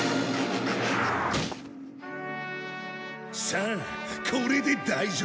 さあこれで大丈夫！